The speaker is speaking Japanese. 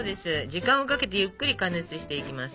時間をかけてゆっくり加熱していきます。